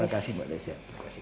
terima kasih mbak desya